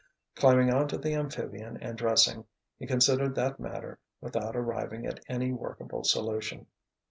Climbing onto the amphibian and dressing, he considered that matter without arriving at any workable solution.